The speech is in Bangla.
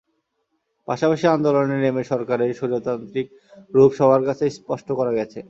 পাশাপাশি আন্দোলনে নেমে সরকারের স্বৈরতান্ত্রিক রূপ সবার কাছে স্পষ্ট করা গেছে।